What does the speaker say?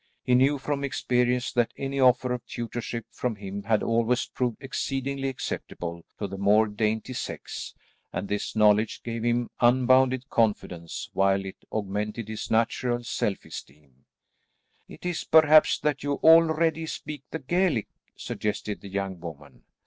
He knew from experience that any offer of tutorship from him had always proved exceedingly acceptable to the more dainty sex, and this knowledge gave him unbounded confidence while it augmented his natural self esteem. "It is perhaps that you already speak the Gaelic?" suggested the young woman.